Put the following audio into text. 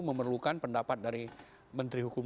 memerlukan pendapat dari menteri hukum